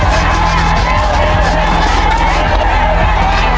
สิบแปดแล้ว